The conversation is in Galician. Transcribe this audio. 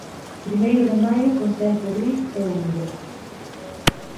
Primeiro de maio con tempo gris e húmido.